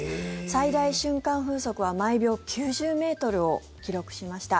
最大瞬間風速は毎秒９０ｍを記録しました。